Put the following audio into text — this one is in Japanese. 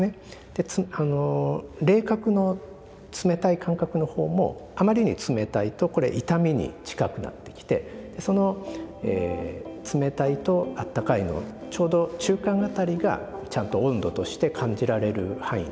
で冷覚の冷たい感覚のほうもあまりに冷たいとこれ痛みに近くなってきてその冷たいと温かいのちょうど中間辺りがちゃんと温度として感じられる範囲になるんですよね。